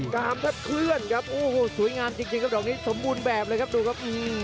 กามแทบเคลื่อนครับโอ้โหสวยงามจริงครับดอกนี้สมบูรณ์แบบเลยครับดูครับ